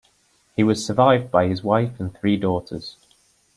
He was survived by his wife and three daughters.